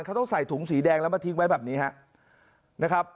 เค้าต้องใส่ถุงสีแดงแล้วมาทิ้งไว้แบบนี้ฮะ